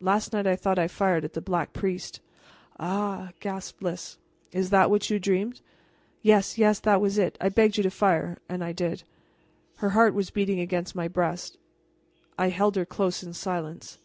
Last night I thought I fired at the Black Priest." "Ah!" gasped Lys. "Is that what you dreamed?" "Yes, yes, that was it! I begged you to fire " "And I did." Her heart was beating against my breast. I held her close in silence.